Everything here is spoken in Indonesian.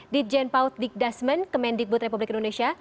ditjen paut dik dasmen kemendikbud republik indonesia